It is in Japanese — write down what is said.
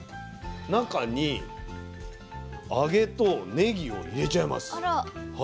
中に揚げとねぎを入れちゃいます。